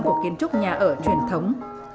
của kiến trúc nhà ở truyền thống